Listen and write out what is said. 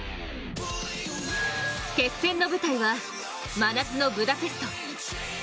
決戦の舞台は真夏のブダペスト。